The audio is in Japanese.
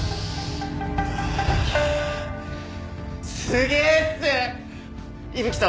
すげえっす！